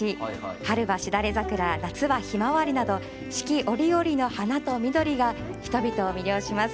春はしだれざくら夏はひまわりなど四季折々の花と緑が人々を魅了します。